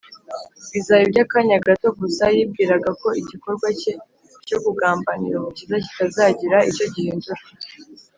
bizaba iby’akanya gato gusa yibwiraga ko igikorwa cye cyo kugambanira umukiza kitazagira icyo gihindura